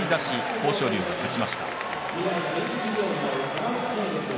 豊昇龍が勝ちました。